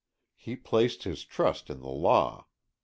He placed his trust in the law.